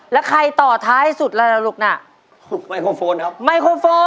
แล้วใครต่อท้ายสุดล่ะลูกนี้